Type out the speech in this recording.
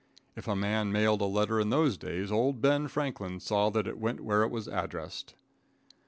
If a man mailed a letter in those days, old Ben Franklin saw that it went where it was addressed.